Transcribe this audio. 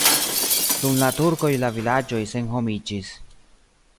Dum la turkoj la vilaĝoj senhomiĝis.